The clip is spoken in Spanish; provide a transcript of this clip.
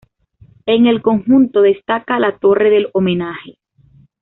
En el conjunto destaca la torre del homenaje.